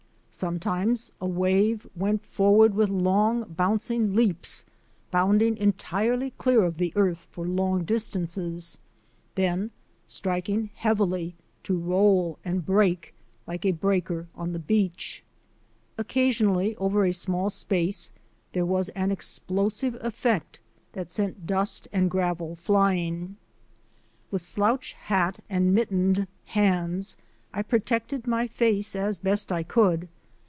Sometimes a wave went forward with long, bouncing leaps, bounding entirely clear of the earth for long distances, then striking heavily to roll and break, like a breaker on the beach. Occasionally, over a small space, there was an explosive effect that sent dust and 82 THE ADVENTURES OF A NATURE GUIDE gravel flying. With slouch hat and mittened hands I protected my face as best I could.